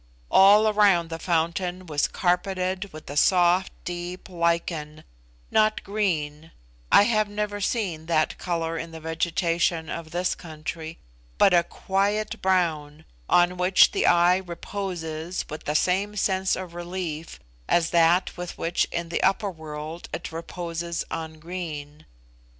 All around the fountain was carpeted with a soft deep lichen, not green (I have never seen that colour in the vegetation of this country), but a quiet brown, on which the eye reposes with the same sense of relief as that with which in the upper world it reposes on green.